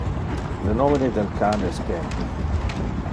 Le nomine del can es Ken.